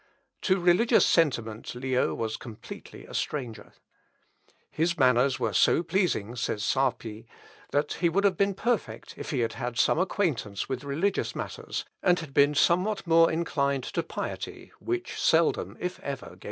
To religious sentiment Leo was completely a stranger. "His manners were so pleasing," says Sarpi, "that he would have been perfect if he had had some acquaintance with religious matters, and been somewhat more inclined to piety, which seldom, if ever, gave him any concern."